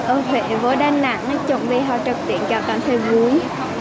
ở việt với đà nẵng nói chung là họ trực tiện gặp tâm thể vui